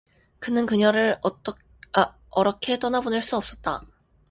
그는 그녀를 어렇게 떠나보낼 수 없었다.